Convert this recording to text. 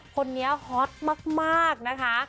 คนนี้ฮอตมากนะคะ